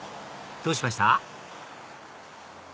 どうしました？